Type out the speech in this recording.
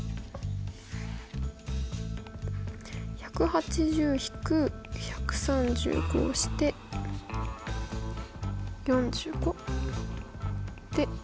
１８０−１３５して４５で。